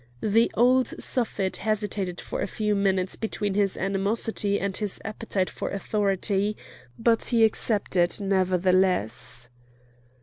The old Suffet hesitated for a few minutes between his animosity and his appetite for authority, but he accepted nevertheless.